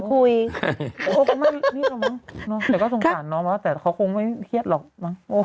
เขาคงไม่เครียดหรอกมัน